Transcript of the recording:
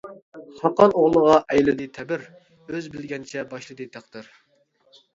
خاقان ئوغلىغا ئەيلىدى تەبىر، ئۆزى بىلگەنچە باشلىدى تەقدىر.